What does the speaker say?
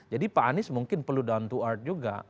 jadi pak hanis mungkin perlu down to earth juga